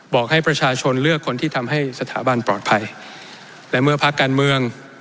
บอกให้ประชาชนเลือกคนที่ทำให้สถาบันปลอดภัยและเมื่อภาคการเมือง